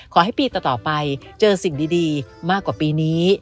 ขอให้ปีต่อไปเจอสิ่งดีมากกว่าปีนี้